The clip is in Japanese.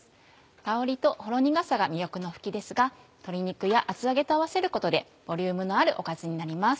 香りとほろ苦さが魅力のふきですが鶏肉や厚揚げと合わせることでボリュームのあるおかずになります。